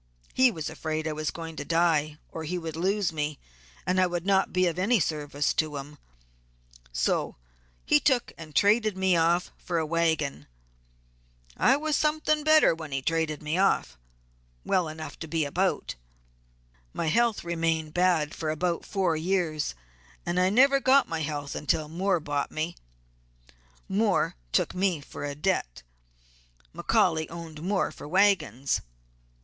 He was afraid I was going to die, or he would lose me, and I would not be of any service to him, so he took and traded me off for a wagon. I was something better when he traded me off; well enough to be about. My health remained bad for about four years, and I never got my health until Moore bought me. Moore took me for a debt. McCaully owed Moore for wagons.